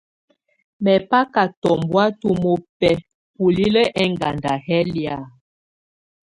Mɛbaka tɔbɔŋtɔ̀ mɔbɛ̀á bulilǝ́ ɛŋganda yɛ̀ lɛ̀á.